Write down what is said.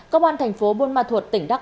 công an tp buôn ma thuột tỉnh đắk